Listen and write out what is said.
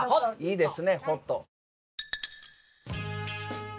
いいですねホット。